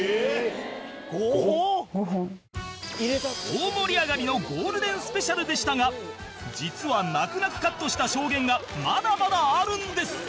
大盛り上がりのゴールデンスペシャルでしたが実は泣く泣くカットした証言がまだまだあるんです